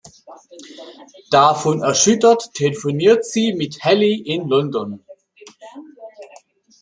Davon erschüttert telefoniert sie mit Hallie in London.